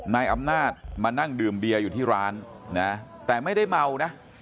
นายอำนาจมานั่งดื่มเบียร์อยู่ที่ร้านนะแต่ไม่ได้เมานะ